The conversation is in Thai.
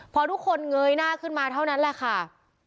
พอทุกคนเงยหน้าขึ้นมาเท่านั้นแหละค่ะ